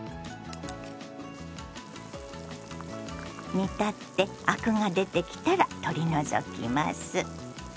煮立ってアクが出てきたら取り除きます。